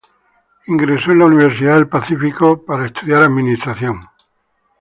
Ingresó a la Universidad del Pacífico a estudiar Administración.